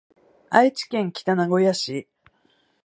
愛知県北名古屋市